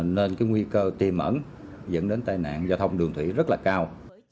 nên cái nguy cơ tiềm ẩn dẫn đến tai nạn giao thông đường thủy rất là cao